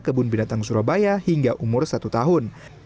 kebun binatang surabaya hingga umur satu tahun